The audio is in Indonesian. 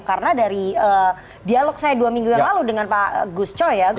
karena dari dialog saya dua minggu yang lalu dengan pak gus choi ya